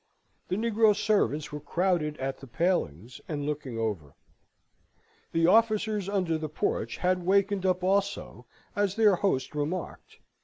The negro servants were crowded at the palings, and looking over. The officers under the porch had wakened up also, as their host remarked.